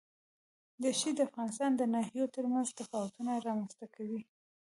دښتې د افغانستان د ناحیو ترمنځ تفاوتونه رامنځ ته کوي.